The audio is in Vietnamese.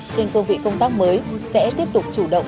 trên cơ vị công tác mới sẽ tiếp tục chủ động